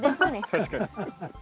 確かに。